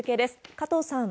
加藤さん。